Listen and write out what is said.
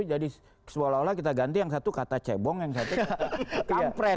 jadi seolah olah kita ganti yang satu kata cebong yang satu kata kampret